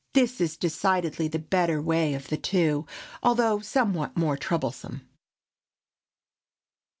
This is decidedly the better way of the two, although somewhat more troublesome.